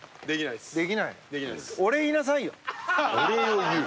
お礼を言う？